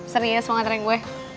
serius semangat ring gue